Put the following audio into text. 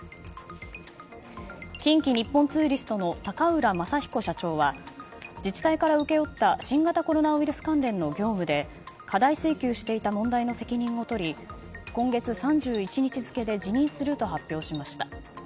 近畿日本ツーリストの高浦雅彦社長は自治体から請け負った新型コロナウイルス関連の業務で過大請求していた問題の責任を取り今月３１日付で辞任すると発表しました。